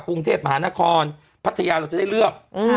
กรุงเทพมหานครพัทยาเราจะได้เลือก